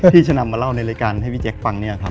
ที่จะนำมาเล่าในรายการให้พี่แจ๊คฟังเนี่ยครับ